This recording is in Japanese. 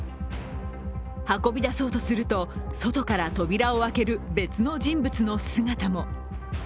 運びだそうとすると、外から扉を開ける別の人物の姿も。